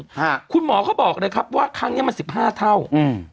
ฮะคุณหมอเขาบอกเลยครับว่าครั้งเนี้ยมันสิบห้าเท่าอืม